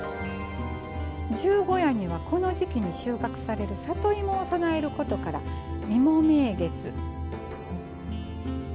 十五夜にはこの時期に収穫される里芋を供えることから芋名月。